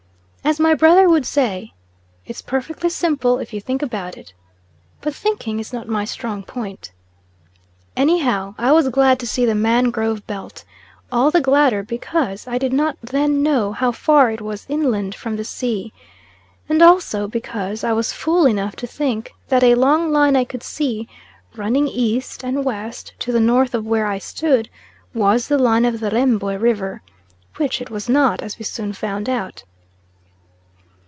As my brother would say, "It's perfectly simple if you think about it;" but thinking is not my strong point. Anyhow I was glad to see the mangrove belt; all the gladder because I did not then know how far it was inland from the sea, and also because I was fool enough to think that a long line I could see, running E. and W. to the north of where I stood, was the line of the Rembwe river; which it was not, as we soon found out.